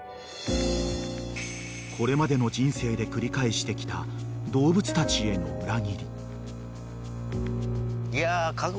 ［これまでの人生で繰り返してきた動物たちへの裏切り］